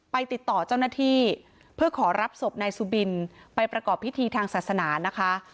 ติดต่อเจ้าหน้าที่เพื่อขอรับศพนายสุบินไปประกอบพิธีทางศาสนานะคะ